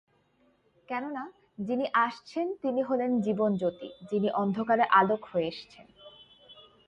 কেননা, যিনি আসছেন, তিনি হলেন জীবনজ্যোতি, যিনি অন্ধকারে আলোক হয়ে আসছেন।